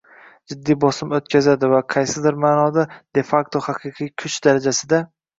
jiddiy bosim o‘tkazadi va qaysidir ma’noda de facto haqiqiy kuch darajasida